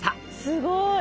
すごい。